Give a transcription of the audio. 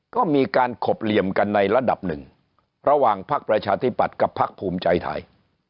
ก็มีการขบเหลี่ยมกันในระดับหนึ่งระหว่างพักประชาธิปัตย์กับพักภูมิใจไทย